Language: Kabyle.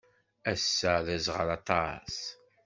Ass-a d aẓɣal aṭas.